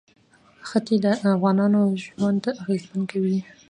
ښتې د افغانانو ژوند اغېزمن کوي.